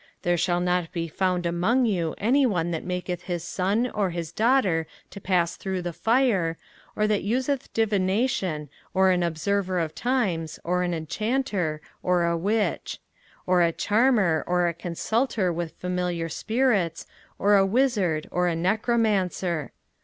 05:018:010 There shall not be found among you any one that maketh his son or his daughter to pass through the fire, or that useth divination, or an observer of times, or an enchanter, or a witch. 05:018:011 Or a charmer, or a consulter with familiar spirits, or a wizard, or a necromancer.